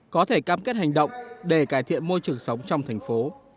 có thể cam kết hành động để cải thiện môi trường sống trong thành phố